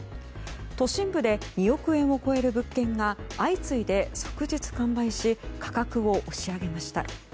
都心部で２億円を超える物件が相次いで即日完売し価格を押し上げました。